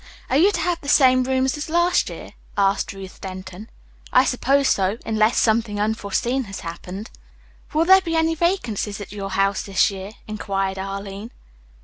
"Are you to have the same rooms as last year?" asked Ruth Denton. "I suppose so, unless something unforeseen has happened." "Will there be any vacancies at your house this year?" inquired Arline.